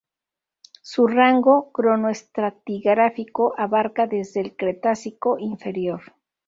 Su rango cronoestratigráfico abarca desde el Cretácico inferior.